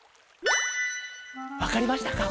わかりましたか？